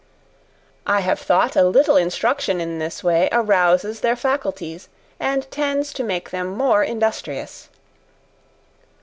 I have thought a little instruction in this way, arouses their faculties, and tends to make them more industrious.